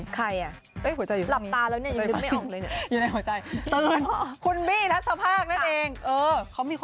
คุณบี้